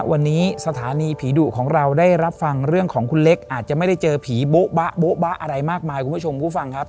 วันนี้สถานีผีดุของเราได้รับฟังเรื่องของคุณเล็กอาจจะไม่ได้เจอผีโบ๊บะโบ๊ะบะอะไรมากมายคุณผู้ชมผู้ฟังครับ